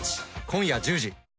今夜１０時。